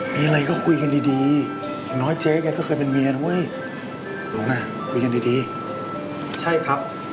มีอะไรก็คุยกันดีอย่างน้อยเจ๊กันก็เป็นเมียนะเว้ยคุยกันดีใช่ครับ